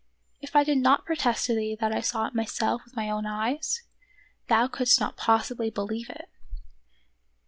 If I did not protest to thee that I saw it myself with my own eyes, thou couldst not possibly believe it.